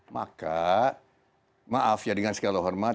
maka maaf ya dengan segala hormat